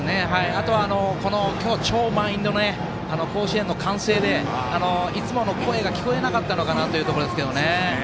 あとは、今日の超満員の甲子園の歓声で、いつもの声が聞こえなかったのかなというところですけどね。